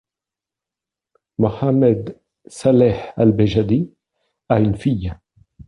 Mohammed Saleh al-Bejadi a une fille.